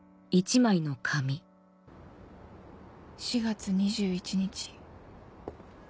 ４月２１日